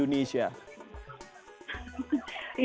sehingga mbak jadi rindu dengan ini